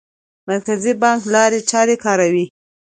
مرکزي بانک لارې چارې کاروي.